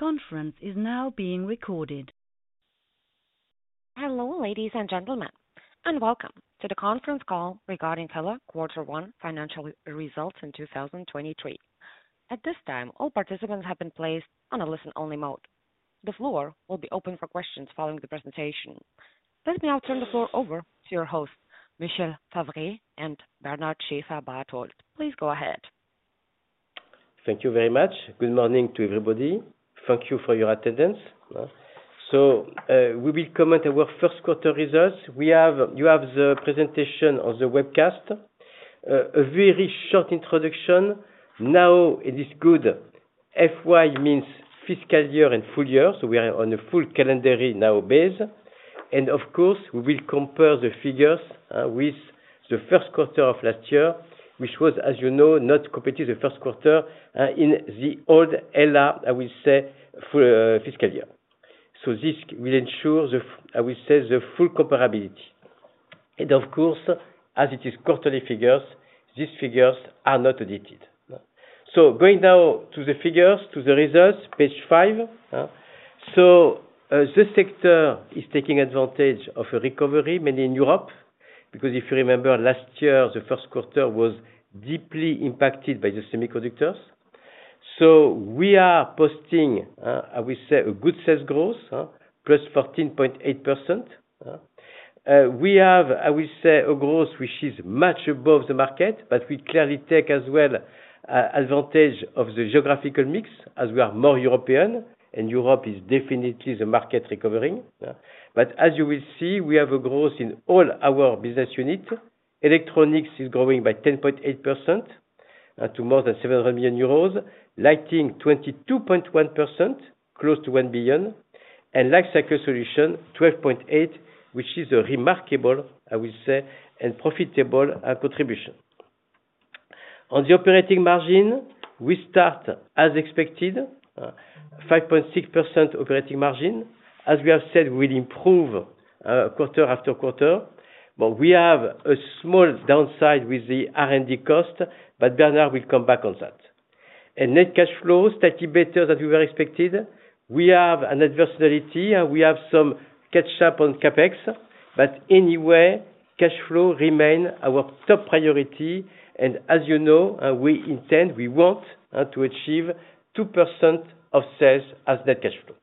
The conference is now being recorded. Hello, ladies and gentlemen, welcome to the conference call regarding HELLA Quarter One Financial Results in 2023. At this time, all participants have been placed on a listen-only mode. The floor will be open for questions following the presentation. Let me now turn the floor over to your hosts, Michel Favre and Bernard Schäferbarthold. Please go ahead. Thank you very much. Good morning to everybody. Thank you for your attendance. We will comment on our first quarter results. You have the presentation on the webcast. A very short introduction. Now it is good. FY means fiscal year and full year, we are on a full calendar year now base. Of course, we will compare the figures with the first quarter of last year, which was, as you know, not compared to the first quarter in the old HELLA, I will say, for fiscal year. This will ensure the, I will say, the full comparability. Of course, as it is quarterly figures, these figures are not audited. Going now to the figures, to the results, page five. This sector is taking advantage of a recovery, mainly in Europe, because if you remember last year, the first quarter was deeply impacted by the semiconductors. We are posting, I will say a good sales growth, huh, +14.8%, huh? We have, I will say a growth which is much above the market, but we clearly take as well, advantage of the geographical mix as we are more European and Europe is definitely the market recovering. As you will see, we have a growth in all our business units. Electronics is growing by 10.8% to more than 700 million euros. Lighting 22.1%, close to 1 billion. Lifecycle Solutions 12.8%, which is a remarkable, I will say, and profitable contribution. On the operating margin, we start as expected, 5.6% operating margin. As we have said, we'll improve quarter after quarter, but we have a small downside with the R&D cost, but Bernard will come back on that. Net cash flow, slightly better than we were expected. We have an adversity. We have some catch up on CapEx, but anyway, cash flow remain our top priority. As you know, we intend, we want to achieve 2% of sales as net cash flow.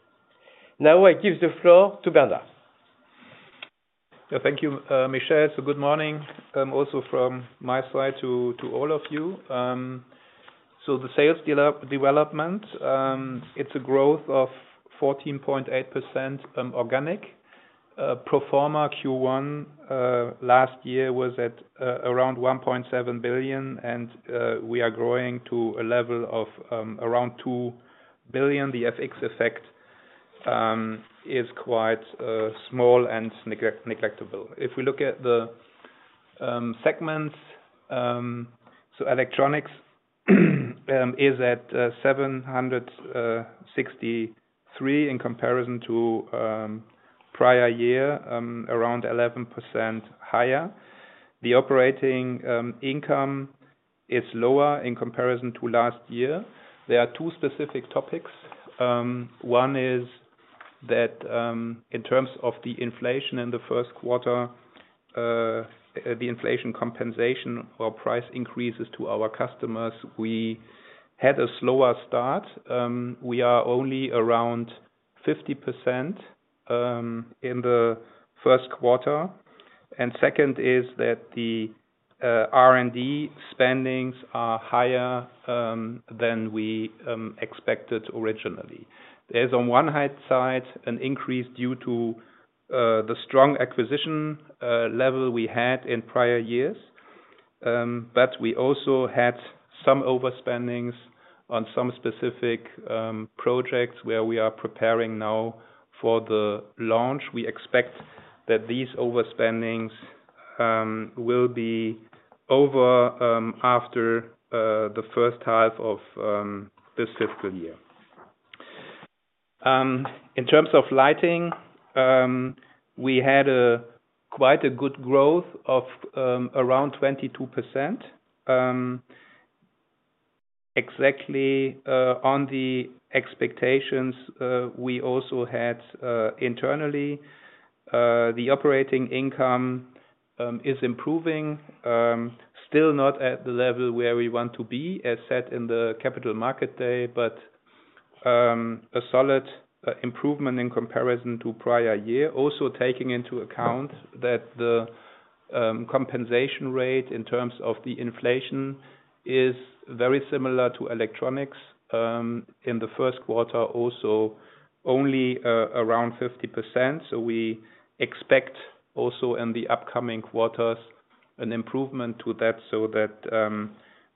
Now I give the floor to Bernard. Thank you, Michel. Good morning, also from my side to all of you. The sales development, it's a growth of 14.8% organic. Pro forma Q1 last year was at around 1.7 billion. We are growing to a level of around 2 billion. The FX effect is quite small and neglectable. If we look at the segments, Electronics is at 763 million in comparison to prior year, around 11% higher. The operating income is lower in comparison to last year. There are two specific topics. One is that, in terms of the inflation in the first quarter, the inflation compensation or price increases to our customers, we had a slower start. We are only around 50% in the first quarter. Second is that the R&D spendings are higher than we expected originally. There's on one height-side, an increase due to the strong acquisition level we had in prior years. We also had some overspendings on some specific projects where we are preparing now for the launch. We expect that these overspendings will be over after the first half of this fiscal year. In terms of Lighting, we had a quite a good growth of around 22%. Exactly on the expectations we also had internally. The operating income is improving, still not at the level where we want to be as set in the Capital Markets Day, but a solid improvement in comparison to prior year. Taking into account that the compensation rate in terms of the inflation is very similar to Electronics in the first quarter, also only around 50%. We expect also in the upcoming quarters an improvement to that, so that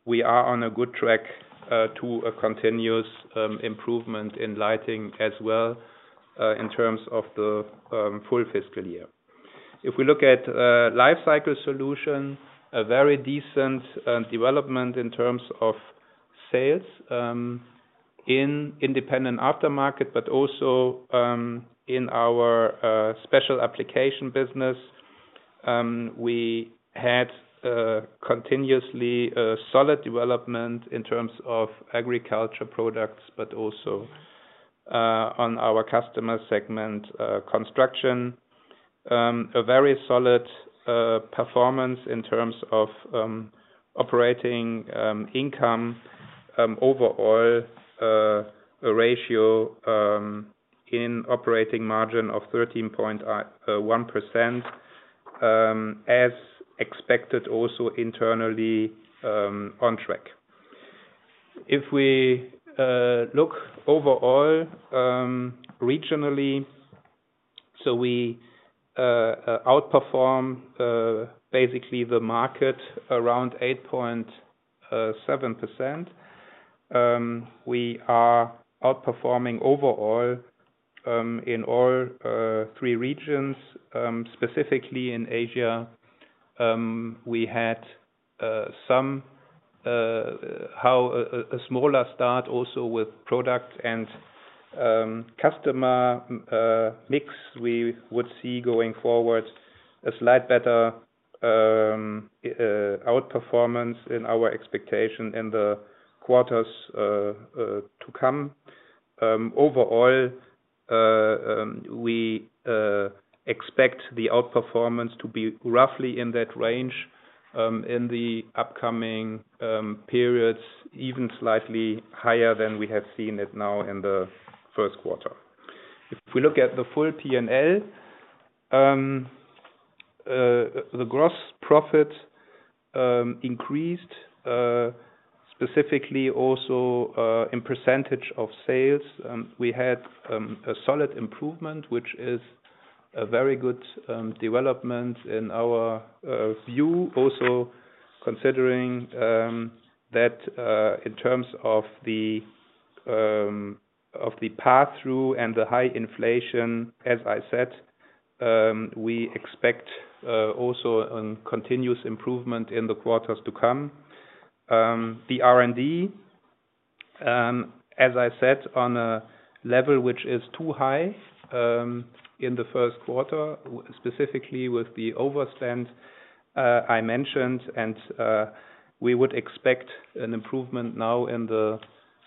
we are on a good track to a continuous improvement in Lighting as well in terms of the full fiscal year. If we look at Lifecycle Solutions, a very decent development in terms of sales, in Independent Aftermarket, but also in our Special Applications business. We had, continuously, a solid development in terms of agriculture products, but also on our customer segment, construction. A very solid performance in terms of operating income, overall, a ratio in operating margin of 13.1%, as expected also internally, on track. If we look overall, regionally, we outperform basically the market around 8.7%. We are outperforming overall, in all three regions, specifically in Asia, we had some, how a smaller start also with product and customer mix we would see going forward. A slight better outperformance in our expectation in the quarters to come. Overall, we expect the outperformance to be roughly in that range in the upcoming periods, even slightly higher than we have seen it now in the first quarter. If we look at the full P&L, the gross profit increased specifically also in percentage of sales. We had a solid improvement, which is a very good development in our view. Also considering that in terms of the of the pass-through and the high inflation, as I said, we expect also a continuous improvement in the quarters to come. The R&D, as I said, on a level which is too high, in the first quarter, specifically with the overspend I mentioned. We would expect an improvement now in the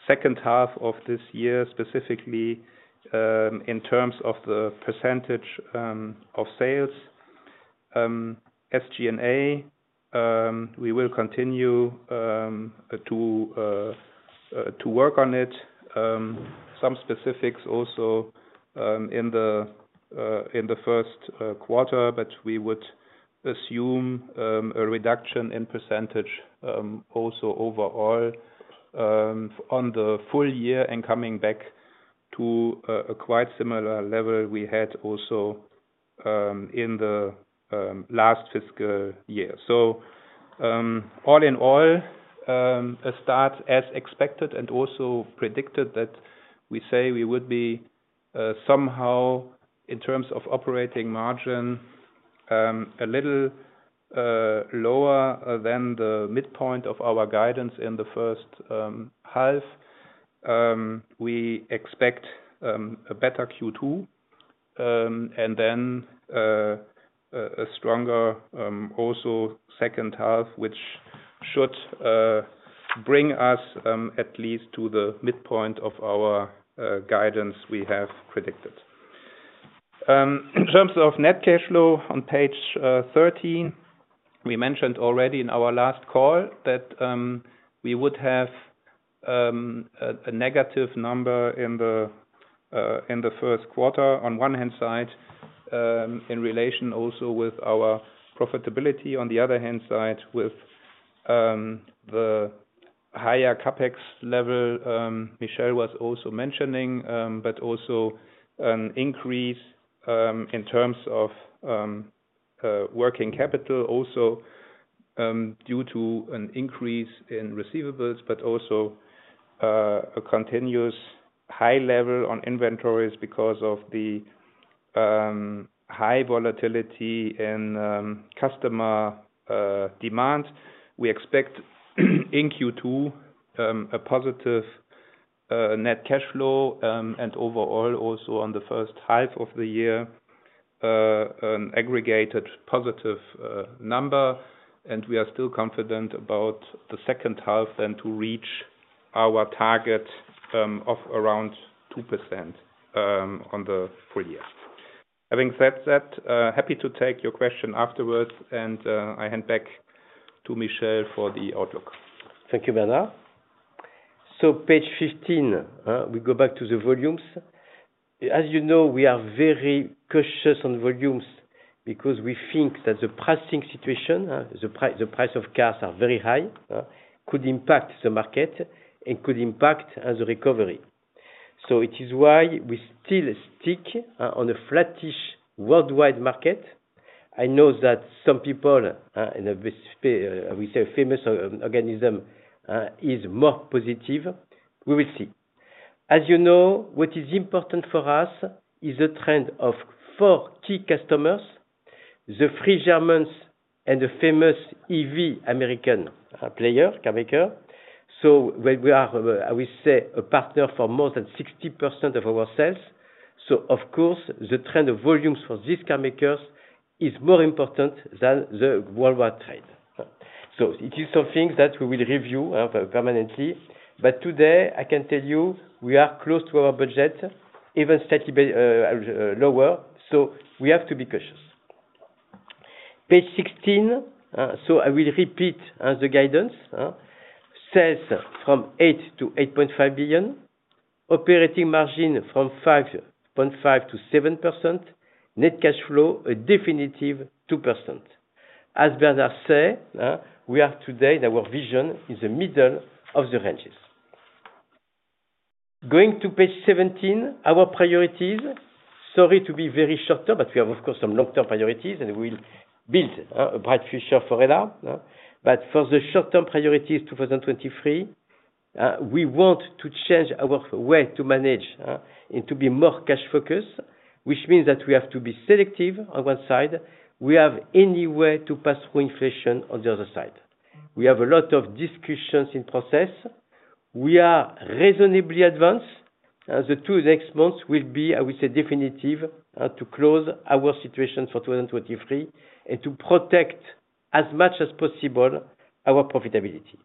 second half of this year, specifically, in terms of the % of sales. SG&A, we will continue to work on it. Some specifics also in the first quarter, but we would assume a reduction in %, also overall on the full year and coming back to a quite similar level we had also in the last fiscal year. All in all, a start as expected and also predicted that we say we would be somehow in terms of operating margin, a little lower than the midpoint of our guidance in the first half. We expect a better Q2, and then a stronger also second half, which should bring us at least to the midpoint of our guidance we have predicted. In terms of net cash flow on page 13, we mentioned already in our last call that we would have a negative number in the first quarter on one hand side, in relation also with our profitability. On the other hand side with the higher CapEx level, Michel Favre was also mentioning. Also an increase in terms of working capital also due to an increase in receivables. Also a continuous high level on inventories because of the high volatility in customer demands. We expect in Q2 a positive net cash flow and overall also on the first half of the year an aggregated positive number. We are still confident about the second half and to reach our target of around 2% on the full year. Having said that, happy to take your question afterwards and I hand back to Michel for the outlook. Thank you, Bernard. Page 15, we go back to the volumes. As you know, we are very cautious on volumes because we think that the pricing situation, the price of cars are very high, could impact the market and could impact as a recovery. It is why we still stick on a flattish worldwide market. I know that some people, in a very famous organism, is more positive. We will see. As you know, what is important for us is the trend of four key customers, the three Germans and the famous EV American player, carmaker. When we are, I will say, a partner for more than 60% of our sales. Of course, the trend of volumes for these carmakers is more important than the worldwide trade. It is something that we will review permanently. Today, I can tell you we are close to our budget, even slightly lower, we have to be cautious. Page 16. I will repeat as the guidance says from 8 billion-8.5 billion, operating margin from 5.5%-7%, net cash flow, a definitive 2%. As Bernard Schäferbarthold says, we are today in our vision in the middle of the ranges. Going to page 17, our priorities. Sorry to be very short-term, we have, of course, some long-term priorities, we'll build a bright future for HELLA. For the short-term priorities, 2023, we want to change our way to manage, to be more cash focused, which means that we have to be selective on one side. We have any way to pass-through inflation on the other side. We have a lot of discussions in process. We are reasonably advanced. The 2 next months will be, I would say, definitive, to close our situation for 2023 and to protect as much as possible our profitability.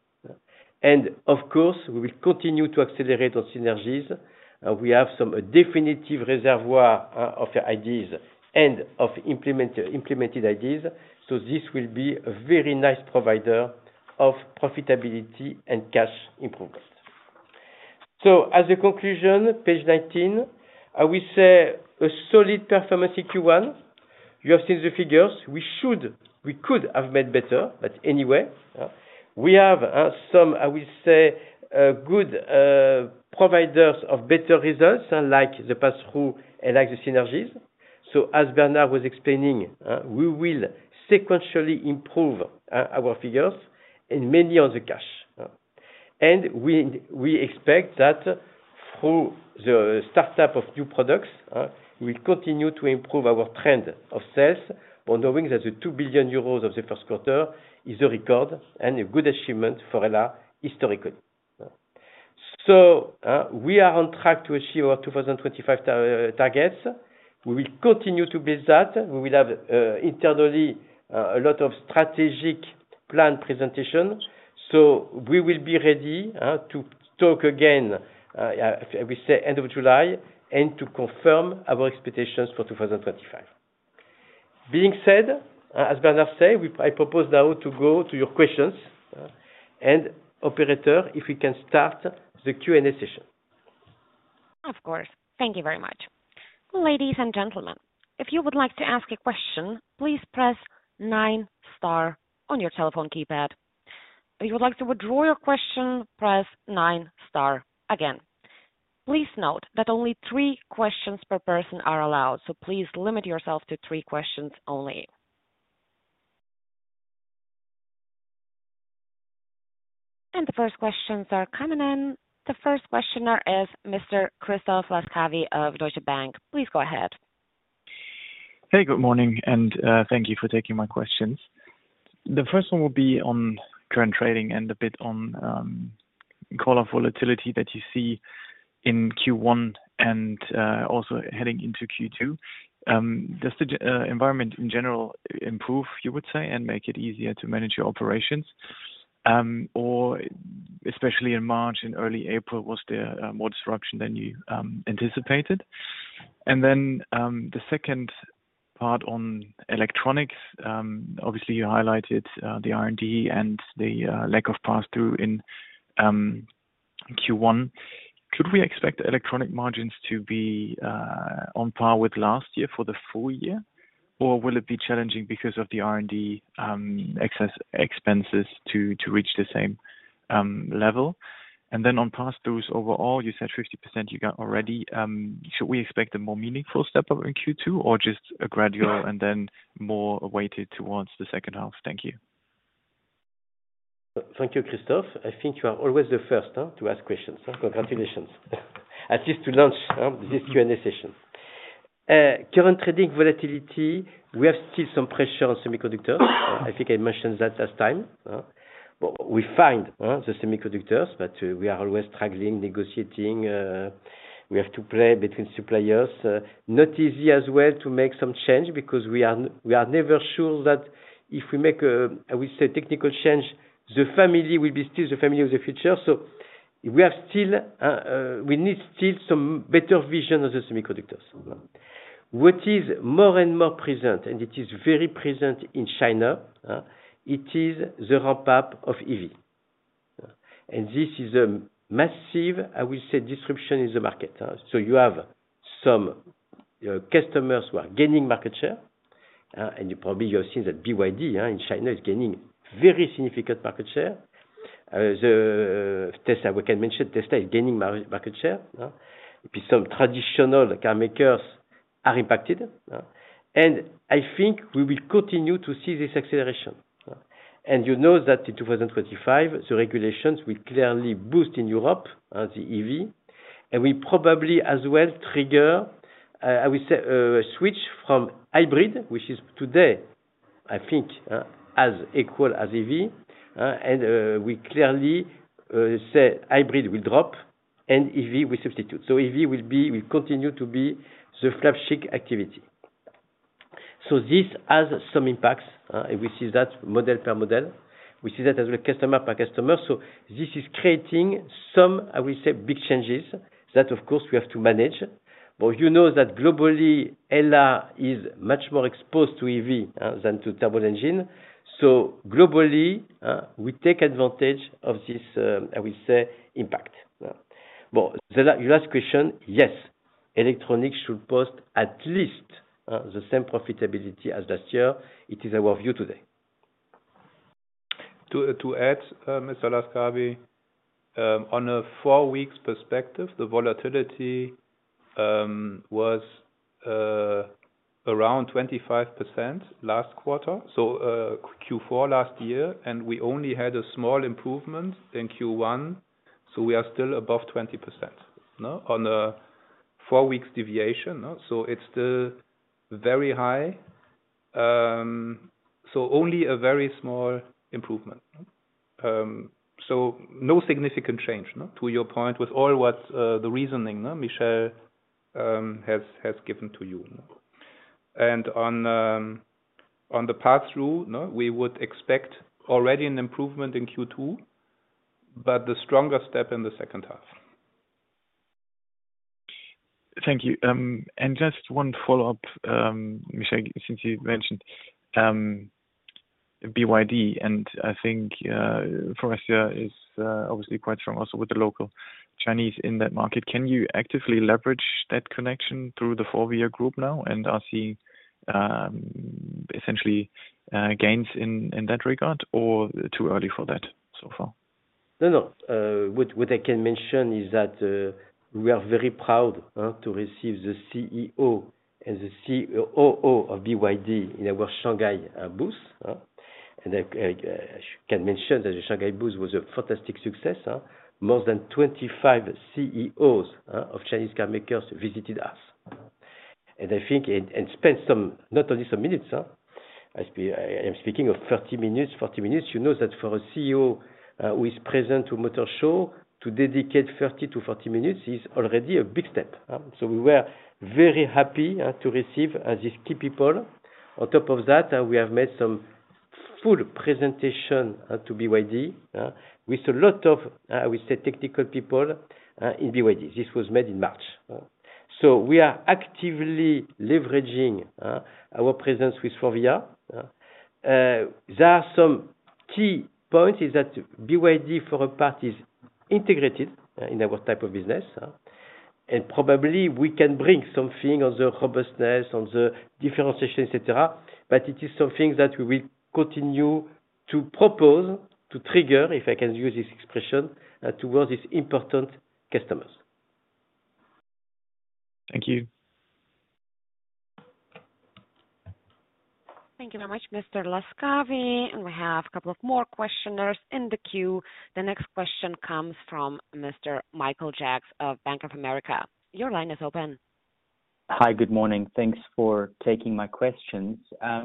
Of course, we will continue to accelerate on synergies. We have some definitive reservoir of ideas and of implemented ideas. This will be a very nice provider of profitability and cash improvement. As a conclusion, page 19, I will say a solid performance in Q1. You have seen the figures. We could have made better. Anyway, we have some, I will say, good providers of better results, unlike the pass-through, unlike the synergies. As Bernard was explaining, we will sequentially improve our figures and mainly on the cash. We expect that through the startup of new products, we continue to improve our trend of sales, while knowing that the 2 billion euros of the first quarter is a record and a good achievement for HELLA historically. We are on track to achieve our 2025 targets. We will continue to build that. We will have, internally, a lot of strategic plan presentation. We will be ready to talk again, we say end of July, and to confirm our expectations for 2025. Being said, as Bernard said, I propose now to go to your questions, operator, if we can start the Q&A session. Of course. Thank you very much. Ladies and gentlemen, if you would like to ask a question, please press nine star on your telephone keypad. If you would like to withdraw your question, press nine star again. Please note that only three questions per person are allowed, so please limit yourself to three questions only. The first questions are coming in. The first questioner is Mr. Christoph Laskawi of Deutsche Bank. Please go ahead. Hey, good morning, thank you for taking my questions. The first one will be on current trading and a bit on call-off volatility that you see in Q1 and also heading into Q2. Does the environment in general improve, you would say, and make it easier to manage your operations? Especially in March and early April, was there more disruption than you anticipated? The second part on Electronics, obviously you highlighted the R&D and the lack of pass-through in Q1. Could we expect Electronics margins to be on par with last year for the full year? Will it be challenging because of the R&D excess expenses to reach the same level? On pass-throughs overall, you said 50% you got already. Should we expect a more meaningful step up in Q2 or just a gradual and then more weighted towards the second half? Thank you. Thank you, Christoph. I think you are always the first to ask questions. Congratulations. At least to launch this Q&A session. Current trading volatility, we have still some pressure on semiconductors. I think I mentioned that last time. We find the semiconductors, but we are always struggling, negotiating. We have to play between suppliers. Not easy as well to make some change because we are never sure that if we make a, I would say, technical change, the family will be still the family of the future. We have still, we need still some better vision of the semiconductors. What is more and more present, and it is very present in China, it is the ramp-up of EV. This is a massive, I will say, disruption in the market. You have some customers who are gaining market share. You probably have seen that BYD in China is gaining very significant market share. The Tesla, we can mention Tesla is gaining market share. Some traditional carmakers are impacted. I think we will continue to see this acceleration. You know that in 2025, the regulations will clearly boost in Europe, the EV, and will probably as well trigger, I would say, a switch from hybrid, which is today I think, as equal as EV, we clearly say hybrid will drop and EV will substitute. EV will continue to be the flagship activity. This has some impacts, and we see that model per model. We see that as well customer per customer. This is creating some, I will say, big changes. That, of course, we have to manage. You know that globally, HELLA is much more exposed to EV than to turbo engine. Globally, we take advantage of this, I will say impact. Your last question, yes, Electronics should post at least the same profitability as last year. It is our view today. To add, Mr. Laskawi, on a 4 weeks perspective, the volatility was around 25% last quarter, so Q4 last year, and we only had a small improvement in Q1, so we are still above 20%, no? On a 4 weeks deviation, no? It's still very high. Only a very small improvement. No significant change, no, to your point with all what's the reasoning Michel has given to you. On the pass-through, no, we would expect already an improvement in Q2, but the stronger step in the second half. Thank you. Just one follow-up, Michel, since you mentioned BYD, and I think Faurecia is obviously quite strong also with the local Chinese in that market. Can you actively leverage that connection through the Faurecia group now? Are seeing essentially gains in that regard or too early for that so far? No, no. What I can mention is that, we are very proud to receive the CEO and the COO of BYD in our Shanghai booth. I can mention that the Shanghai booth was a fantastic success, more than 25 CEOs of Chinese car makers visited us. Spent some, not only some minutes, I am speaking of 30 minutes, 40 minutes. You know that for a CEO, who is present to a motor show to dedicate 30-40 minutes is already a big step. We were very happy to receive these key people. On top of that, we have made some full presentation to BYD, with a lot of, I would say technical people, in BYD. This was made in March. We are actively leveraging our presence with Faurecia. There are some key points is that BYD for a part is integrated in our type of business. And probably we can bring something on the robustness, on the differentiation, et cetera, but it is something that we will continue to propose to trigger, if I can use this expression, towards these important customers. Thank you. Thank you very much, Mr. Laskawi. We have a couple of more questioners in the queue. The next question comes from Mr. Michael Jacks of Bank of America. Your line is open. Hi. Good morning. Thanks for taking my questions.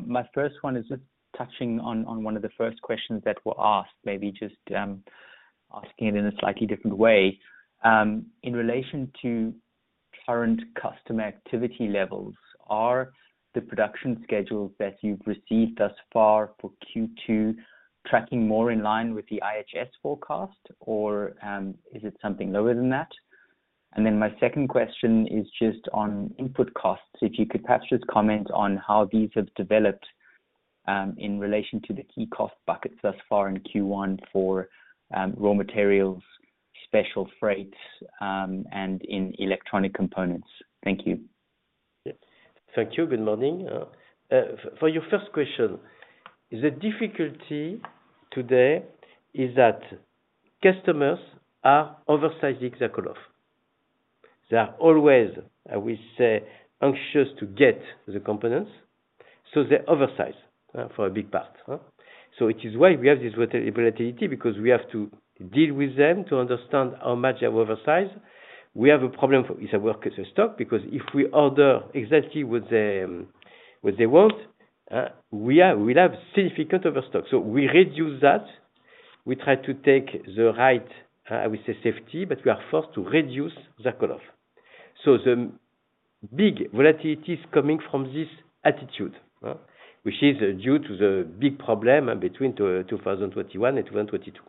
My first one is just touching on one of the first questions that were asked, maybe just asking it in a slightly different way. In relation to current customer activity levels, are the production schedules that you've received thus far for Q2 tracking more in line with the IHS forecast or is it something lower than that? My second question is just on input costs. If you could perhaps just comment on how these have developed in relation to the key cost buckets thus far in Q1 for raw materials, special freights, and in electronic components. Thank you. Yeah. Thank you. Good morning. For your first question, the difficulty today is that customers are oversizing their call-off. They are always, I will say, anxious to get the components, they oversize for a big part. It is why we have this volatility, because we have to deal with them to understand how much they oversize. We have a problem with our work as a stock, because if we order exactly what they want, we'll have significant overstock. We reduce that. We try to take the right, I would say, safety, but we are forced to reduce the call-off. The big volatility is coming from this attitude, which is due to the big problem between 2021 and 2022.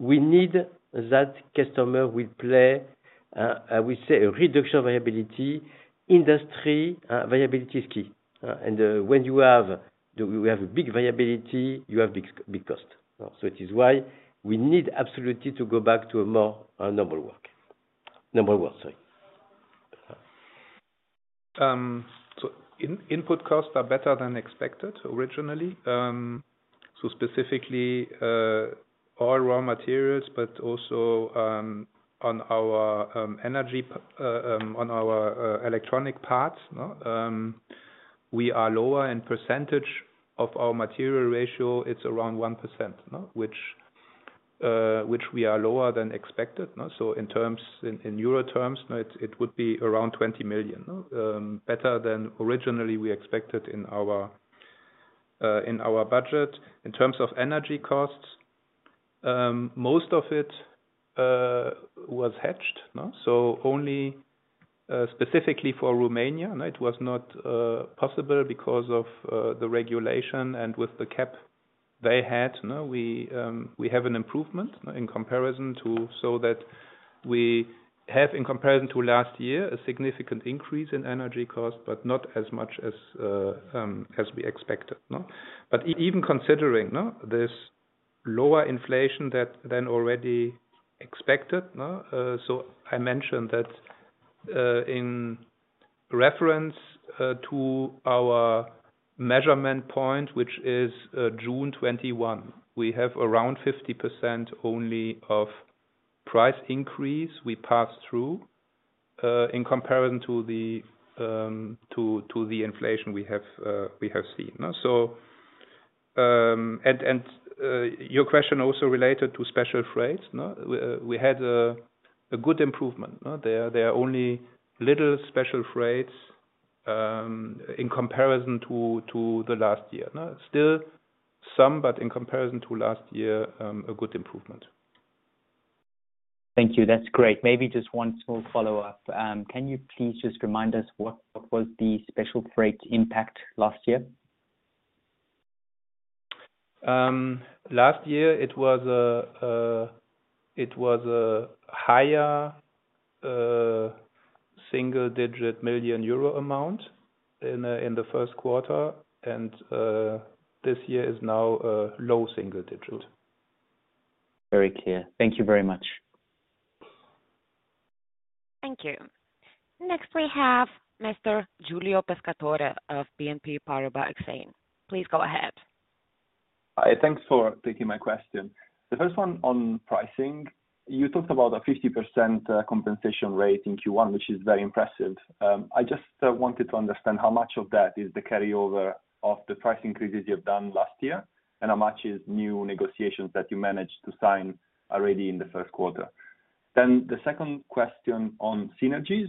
We need that customer will play, I would say, a reduction variability. Industry, variability is key. When you have we have a big variability, you have big cost. It is why we need absolutely to go back to a more, normal work. Normal work, sorry. Input costs are better than expected originally. Specifically, our raw materials, but also on our energy on our electronic parts, no? We are lower in percentage of our material ratio. It's around 1%, no, which we are lower than expected, no? In terms, in Euro terms, no, it would be around 20 million better than originally we expected in our budget. In terms of energy costs, most of it was hedged, no? Only specifically for Romania, it was not possible because of the regulation and with the cap they had. Now we have an improvement in comparison to... That we have in comparison to last year, a significant increase in energy cost, but not as much as we expected, no? Even considering, no, this lower inflation that then already expected, no. I mentioned that in reference to our measurement point, which is June 2021, we have around 50% only of price increase we passed through in comparison to the inflation we have seen. Your question also related to special freight, no? We had a good improvement, no. There are only little special freights in comparison to the last year. Still some, but in comparison to last year, a good improvement. Thank you. That's great. Maybe just one small follow-up. Can you please just remind us what was the special freight impact last year? Last year it was a higher single digit million EUR amount in the first quarter. This year is now a low single digit. Very clear. Thank you very much. Thank you. Next, we have Mr. Giulio Pescatore of BNP Paribas Exane. Please go ahead. Thanks for taking my question. The first one on pricing. You talked about a 50% compensation rate in Q1, which is very impressive. I just wanted to understand how much of that is the carryover of the price increases you've done last year, and how much is new negotiations that you managed to sign already in the first quarter. The second question on synergies.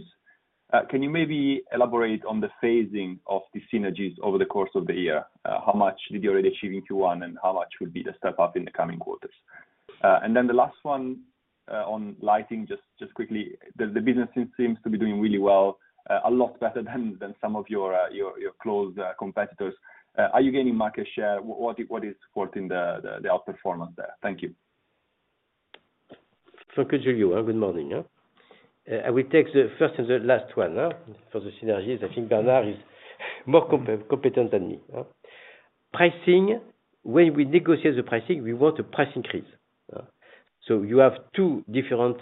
Can you maybe elaborate on the phasing of the synergies over the course of the year? How much did you already achieve in Q1, and how much will be the step up in the coming quarters? The last one on Lighting, just quickly. The business seems to be doing really well, a lot better than some of your close competitors. Are you gaining market share? What is supporting the outperformance there? Thank you. Thank you, Giulio. Good morning. I will take the first and the last 1 for the synergies. I think Bernard is more competent than me. Pricing. When we negotiate the pricing, we want a price increase. You have 2 different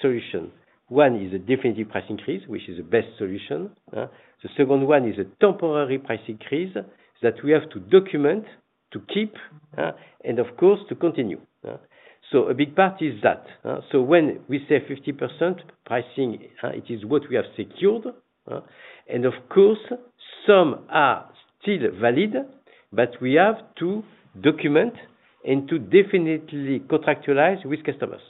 solutions. 1 is a definitive price increase, which is the best solution. The second 1 is a temporary price increase that we have to document to keep, and of course, to continue. A big part is that. When we say 50% pricing, it is what we have secured. Of course, some are still valid, but we have to document and to definitely contractualize with customers.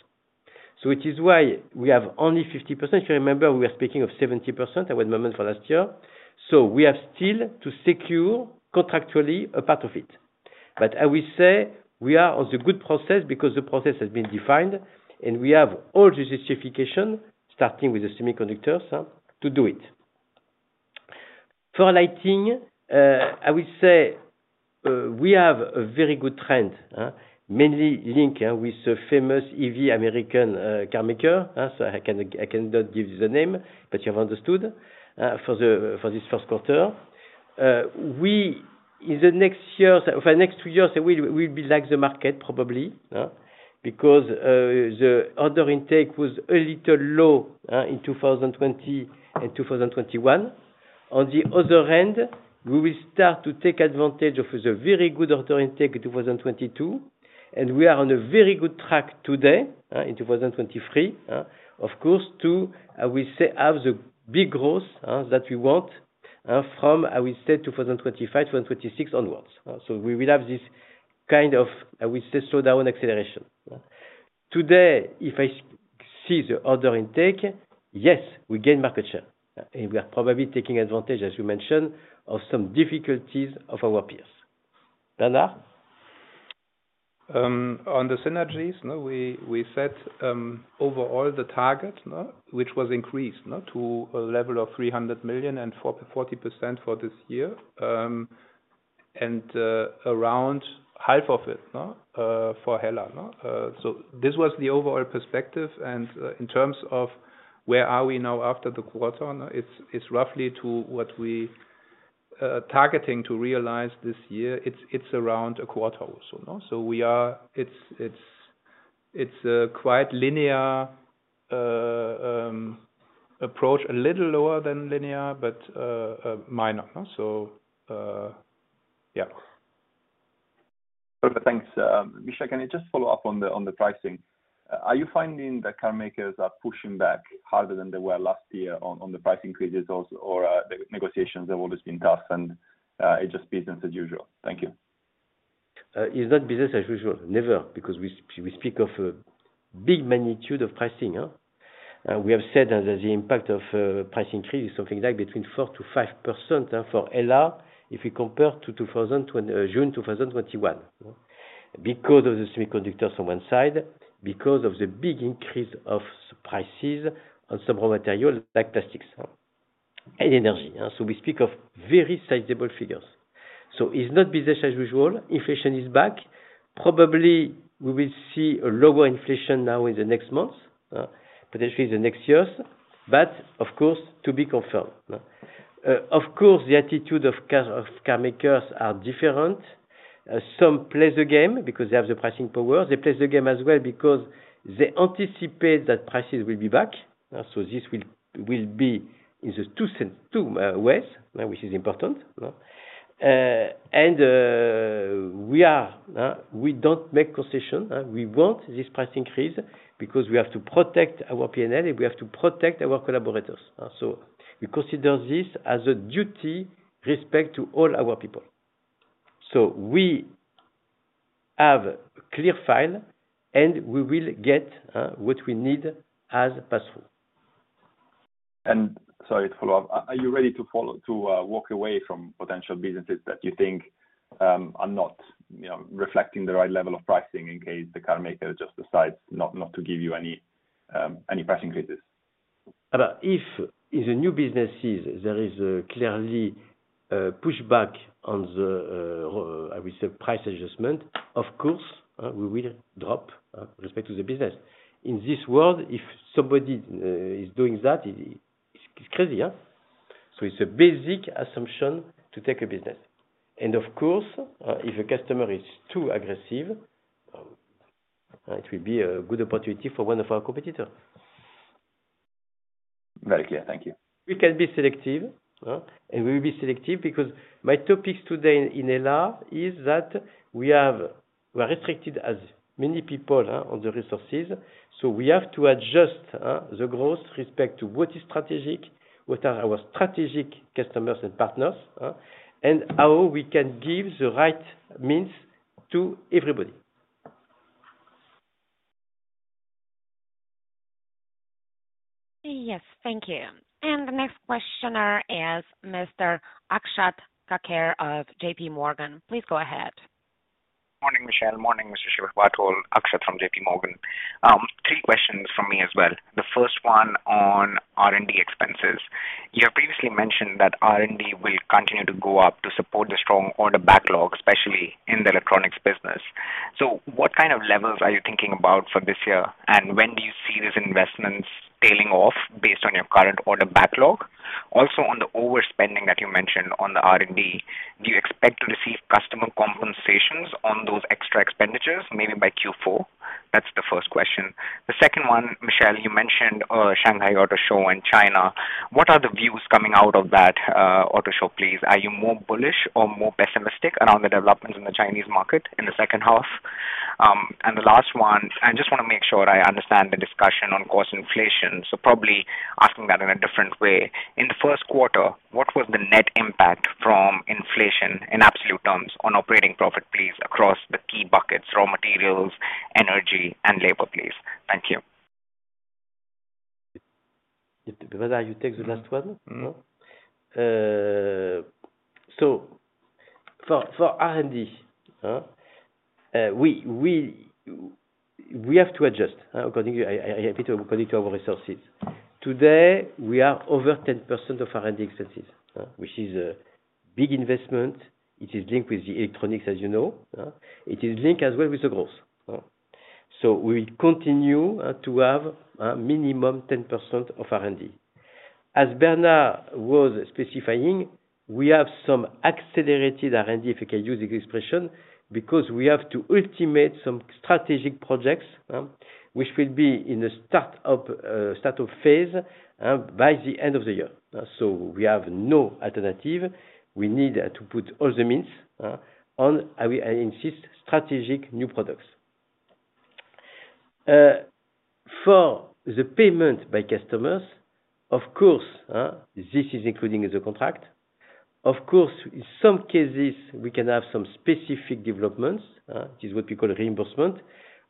It is why we have only 50%. If you remember, we are speaking of 70% at 1 moment for last year. We have still to secure contractually a part of it. I will say we are on the good process because the process has been defined, and we have all the certification, starting with the semiconductors, to do it. For Lighting, I would say, we have a very good trend, mainly linked with the famous EV American car maker. I cannot give you the name, but you have understood, for this first quarter. We in the next year, for next two years, we'll be like the market probably, because the order intake was a little low in 2020 and 2021. On the other hand, we will start to take advantage of the very good order intake in 2022, and we are on a very good track today, in 2023. Of course, to, we say, have the big growth, that we want, from, I will say, 2025, two and 26 onwards. We will have this kind of, I will say, slow down acceleration. Today, if I see the order intake, yes, we gain market share, and we are probably taking advantage, as you mentioned, of some difficulties of our peers. Bernard? On the synergies, we set overall the target which was increased to a level of 300 million and 40% for this year, around half of it for HELLA. This was the overall perspective. In terms of where are we now after the quarter, it's roughly to what we targeting to realize this year. It's around a quarter also. It's a quite linear approach, a little lower than linear, but minor. Yeah. Perfect. Thanks. Michel, can you just follow up on the pricing? Are you finding that car makers are pushing back harder than they were last year on the price increases also, or the negotiations have always been tough and it's just business as usual? Thank you. It's not business as usual, never, because we speak of a big magnitude of pricing. We have said that the impact of price increase is something like between 4%-5% for LR if we compare to June 2021. Because of the semiconductors on one side, because of the big increase of prices on some raw material, like plastics, and energy. We speak of very sizable figures. It's not business as usual. Inflation is back. Probably we will see a lower inflation now in the next months, potentially the next years, of course, to be confirmed. Of course, the attitude of car makers are different. Some play the game because they have the pricing power. They play the game as well because they anticipate that prices will be back. This will be in the two ways, which is important. We don't make concession. We want this price increase because we have to protect our P&L, and we have to protect our collaborators. We consider this as a duty respect to all our people. We have clear file, and we will get what we need as Pass-through. Sorry to follow up. Are you ready to walk away from potential businesses that you think are not, you know, reflecting the right level of pricing in case the car maker just decides not to give you any price increases? If in the new businesses there is clearly pushback on the I would say price adjustment, of course, we will drop respect to the business. In this world, if somebody is doing that, it's crazy, yeah? It's a basic assumption to take a business. Of course, if a customer is too aggressive, it will be a good opportunity for one of our competitor. Very clear. Thank you. We can be selective. We will be selective because my topics today in LR is that we are restricted as many people, on the resources. We have to adjust the growth respect to what is strategic, what are our strategic customers and partners, and how we can give the right means to everybody. Yes, thank you. The next questioner is Mr. Akshat Kacker of JPMorgan. Please go ahead. Morning, Michel. Morning, Mr. Schäferbarthold, Akshat from JPMorgan. Three questions from me as well. The first one on R&D expenses. You have previously mentioned that R&D will continue to go up to support the strong order backlog, especially in the Electronics business. What kind of levels are you thinking about for this year, and when do you see these investments tailing off based on your current order backlog? On the overspending that you mentioned on the R&D, do you expect to receive customer compensations on those extra expenditures, maybe by Q4? That's the first question. The second one, Michel, you mentioned Shanghai Auto Show in China. What are the views coming out of that auto show, please? Are you more bullish or more pessimistic around the developments in the Chinese market in the second half? The last one, I just wanna make sure I understand the discussion on cost inflation, so probably asking that in a different way. In the first quarter, what was the net impact from inflation in absolute terms on operating profit, please, across the key buckets, raw materials, energy and labor, please? Thank you. Bernard, you take the last one. Mm-hmm. No? For R&D, we have to adjust, according, I repeat, according to our resources. Today, we are over 10% of R&D expenses, which is a big investment. It is linked with the Electronics, as you know. It is linked as well with the growth. We continue to have a minimum 10% of R&D. As Bernard was specifying, we have some accelerated R&D, if I can use the expression, because we have to ultimate some strategic projects, which will be in the start of phase by the end of the year. We have no alternative. We need to put all the means on, I insist, strategic new products. For the payment by customers, of course, this is including the contract. Of course, in some cases we can have some specific developments. This is what we call reimbursement.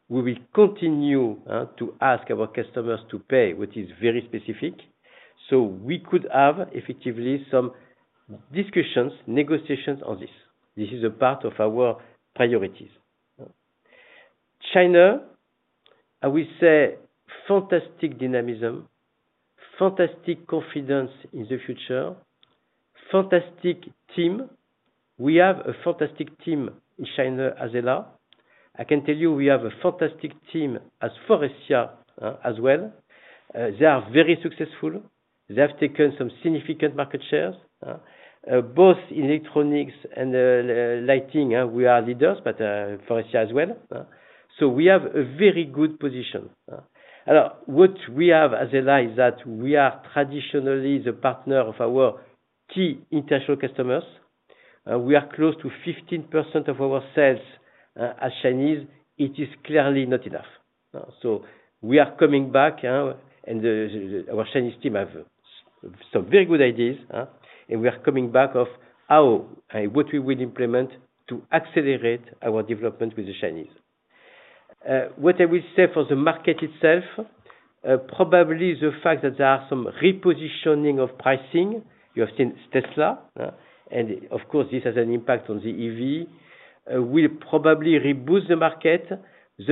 We will continue to ask our customers to pay what is very specific. We could have effectively some discussions, negotiations on this. This is a part of our priorities. China, I will say fantastic dynamism, fantastic confidence in the future, fantastic team. We have a fantastic team in China as HELLA. I can tell you we have a fantastic team as Faurecia as well. They are very successful. They have taken some significant market shares. Both in Electronics and Lighting, we are leaders, but Faurecia as well. We have a very good position. What we have as HELLA is that we are traditionally the partner of our key international customers. We are close to 15% of our sales as Chinese. It is clearly not enough. We are coming back, and our Chinese team have some very good ideas, and we are coming back of how and what we will implement to accelerate our development with the Chinese. What I will say for the market itself, probably the fact that there are some repositioning of pricing. You have seen Tesla, and of course this has an impact on the EV, will probably reboost the market. In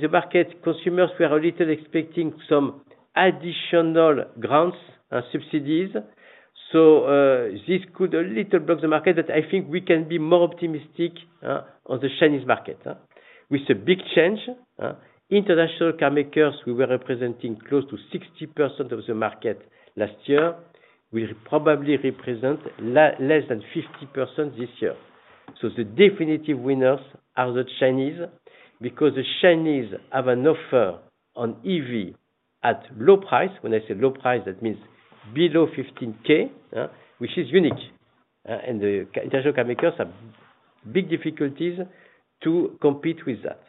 the market, consumers were a little expecting some additional grants, subsidies. This could a little block the market, but I think we can be more optimistic, on the Chinese market, with a big change, international car makers, we were representing close to 60% of the market last year, will probably represent less than 50% this year. The definitive winners are the Chinese, because the Chinese have an offer on EV at low price. When I say low price, that means below 15K, which is unique. The international car makers have big difficulties to compete with that.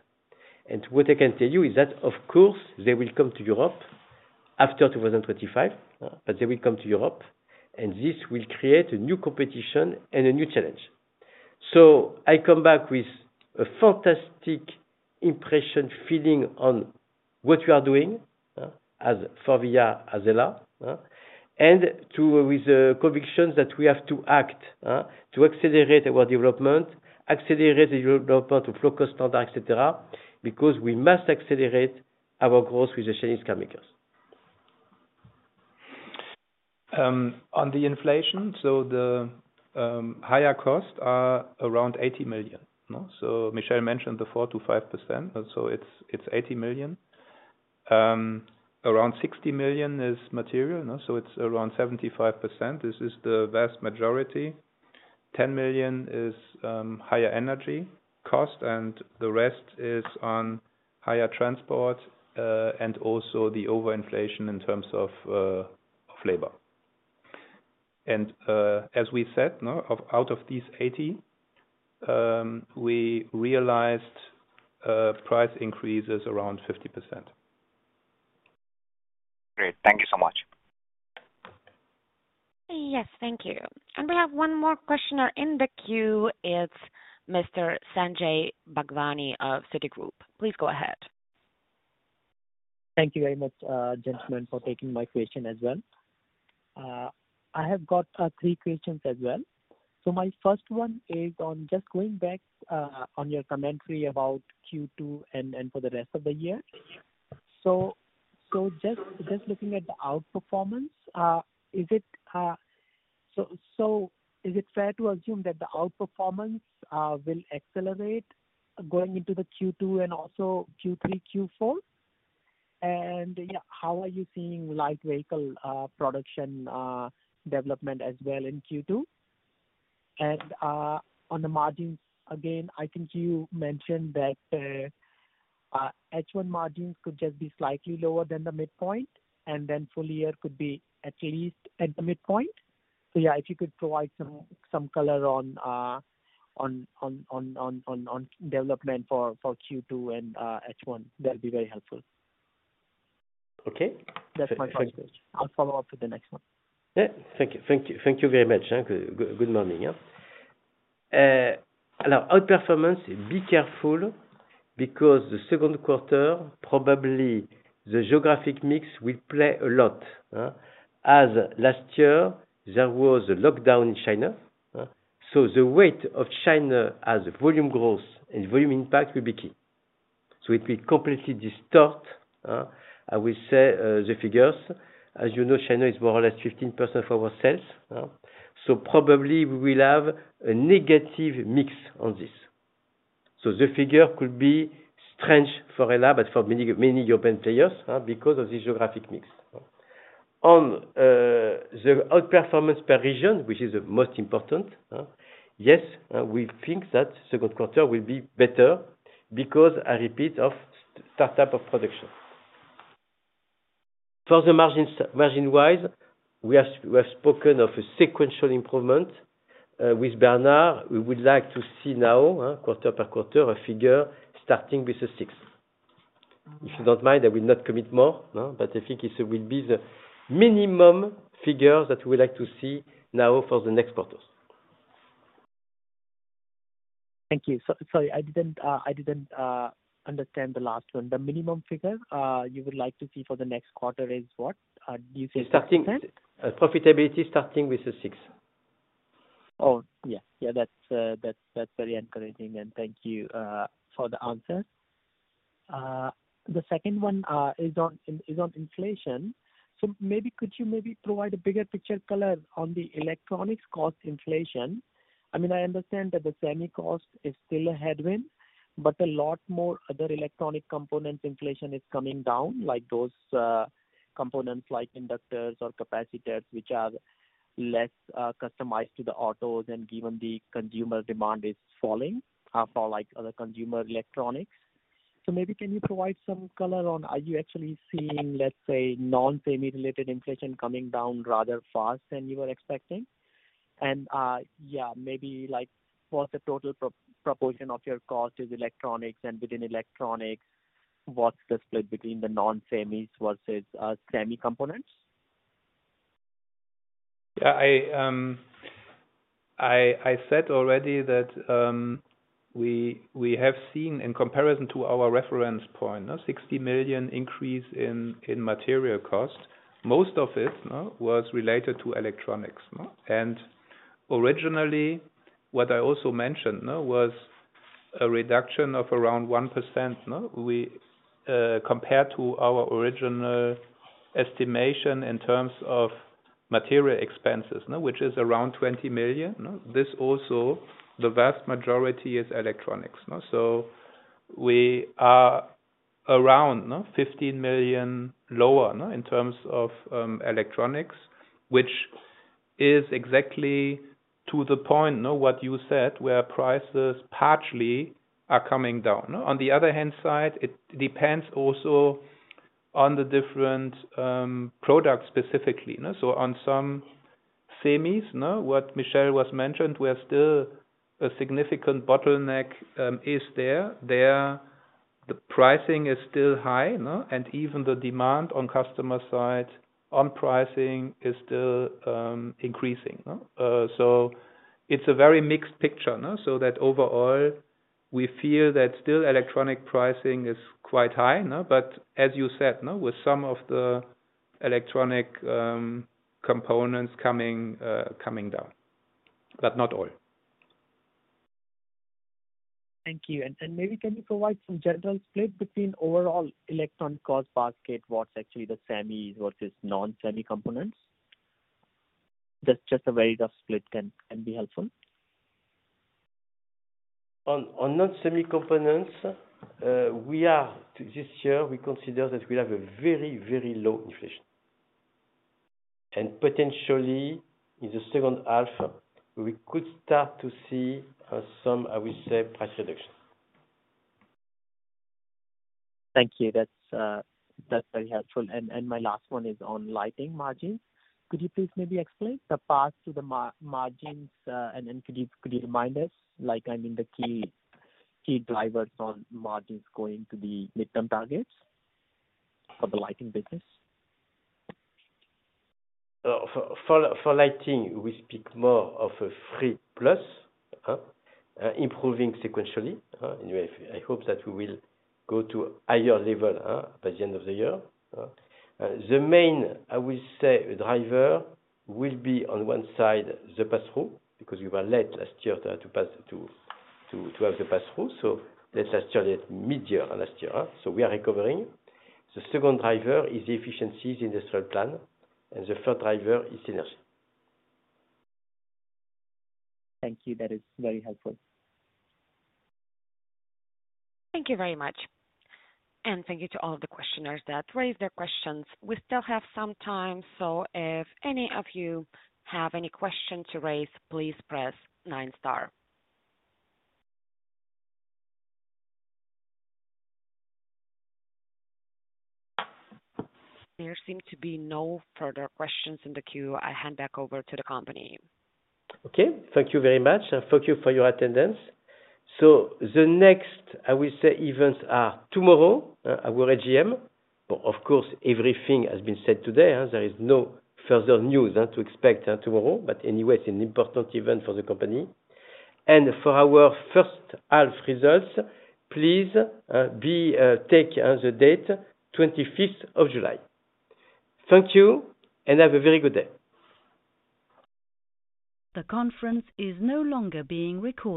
What I can tell you is that of course they will come to Europe after 2025, but they will come to Europe, and this will create a new competition and a new challenge. I come back with a fantastic impression, feeling on what we are doing, as Faurecia, as HELLA, and with a convictions that we have to act to accelerate our development, accelerate the development of low cost standard, et cetera, because we must accelerate our growth with the Chinese car makers. On the inflation, the higher costs are around 80 million, no? Michel mentioned the 4%-5%, it's 80 million. Around 60 million is material, no? It's around 75%. 10 million is higher energy cost, and the rest is on higher transport and also the overinflation in terms of labor. As we said, no, out of these 80, we realized price increases around 50%. Great. Thank you so much. Yes. Thank you. We have one more questioner in the queue. It's Mr. Sanjay Bhagwani of Citigroup. Please go ahead. Thank you very much, gentlemen, for taking my question as well. I have got 3 questions as well. My first one is on just going back on your commentary about Q2 and for the rest of the year. Just looking at the outperformance, is it fair to assume that the outperformance will accelerate going into the Q2 and also Q3, Q4? How are you seeing light vehicle production development as well in Q2? On the margins, again, I think you mentioned that H1 margins could just be slightly lower than the midpoint, then full year could be at least at the midpoint. Yeah, if you could provide some color on development for Q2 and H1, that'd be very helpful. Okay. That's my first question. I'll follow up with the next one. Yeah. Thank you. Thank you. Thank you very much. Good morning. Now outperformance, be careful because the second quarter, probably the geographic mix will play a lot. As last year, there was a lockdown in China, so the weight of China as volume growth and volume impact will be key. It will completely distort, I will say, the figures. As you know, China is more or less 15% of our sales. Probably we will have a negative mix on this. The figure could be strange for HELLA but for many, many European players, because of the geographic mix. On the outperformance per region, which is the most important, yes, we think that second quarter will be better because I repeat of startup of production. For the margins, margin-wise, we have spoken of a sequential improvement with Bernard. We would like to see now quarter per quarter a figure starting with a six. If you don't mind, I will not commit more. No? I think it will be the minimum figure that we like to see now for the next quarters. Thank you. Sorry, I didn't, I didn't understand the last one. The minimum figure you would like to see for the next quarter is what? Do you think- Starting, profitability starting with a 6%. Oh, yeah. Yeah, that's, that's very encouraging, and thank you for the answer. The second one is on, is on inflation. Maybe could you maybe provide a bigger picture color on the Electronics cost inflation? I mean, I understand that the semi cost is still a headwind, but a lot more other electronic components inflation is coming down, like those components like inductors or capacitors, which are less customized to the autos and given the consumer demand is falling for like other consumer electronics. Maybe can you provide some color on are you actually seeing, let's say, non-semi related inflation coming down rather fast than you were expecting? Yeah, maybe like, what's the total pro-proportion of your cost is Electronics, and within Electronics, what's the split between the non-semis versus semi components? Yeah, I said already that we have seen in comparison to our reference point, now 60 million increase in material cost. Most of it was related to Electronics. Originally, what I also mentioned was a reduction of around 1%, we compared to our original estimation in terms of material expenses, you know, which is around 20 million. This also the vast majority is Electronics. We are around 15 million lower in terms of Electronics, which is exactly to the point. Know what you said, where prices partially are coming down. On the other hand side, it depends also on the different products specifically. On some semis, you know, what Michel was mentioned, we are still a significant bottleneck is there. There, the pricing is still high. Even the demand on customer side, on pricing is still increasing. It's a very mixed picture. That overall we feel that still electronic pricing is quite high. As you said, with some of the electronic components coming down, but not all. Thank you. Maybe can you provide some general split between overall Electronics cost basket, what's actually the semis versus non-semi components? That's just a very rough split can be helpful. On non-semi components, we are to this year, we consider that we have a very, very low inflation. Potentially in the second half we could start to see some, I will say, price reductions. Thank you. That's, that's very helpful. My last one is on Lighting margins. Could you please maybe explain the path to the margins, and then could you, could you remind us, like, I mean, the key drivers on margins going to the midterm targets for the Lighting business? for Lighting, we speak more of a free plus, improving sequentially. I hope that we will go to higher level by the end of the year. The main, I will say, driver will be on one side, the pass-through, because we were late last year to have the pass-through. Late last year, midyear last year. We are recovering. The second driver is the efficiencies in the third plan, and the third driver is synergy. Thank you. That is very helpful. Thank you very much. Thank you to all the questioners that raised their questions. We still have some time, if any of you have any questions to raise, please press nine star. There seem to be no further questions in the queue. I hand back over to the company. Okay. Thank you very much, and thank you for your attendance. The next, I will say, events are tomorrow, our AGM. Of course, everything has been said today. There is no further news to expect tomorrow. Anyway, it's an important event for the company. For our first half results, please be take the date 25th of July. Thank you and have a very good day. The conference is no longer being recorded.